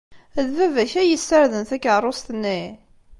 D baba-k ay yessarden takeṛṛust-nni?